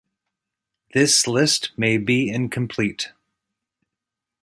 This list may be incomplete